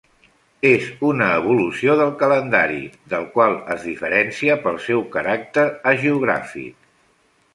És una evolució del calendari, del qual es diferencia pel seu caràcter hagiogràfic.